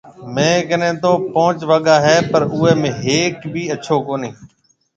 ميه ڪنَي تو پونچ وگا هيَ پر اوَي ۾ هيَڪ بي اڇو ڪونَي۔